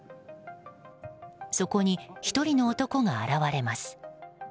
そこに１人の男が現れます。